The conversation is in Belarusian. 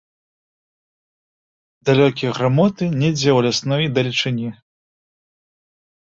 Далёкія грымоты недзе ў лясной далечыні.